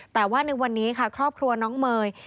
แต่ว่าในวันนี้ค่ะครอบครัวน้องเมย์